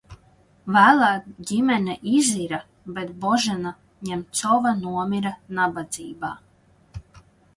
Vēlāk ģimene izira, bet Božena Ņemcova nomira nabadzībā.